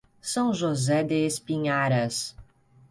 São José de Espinharas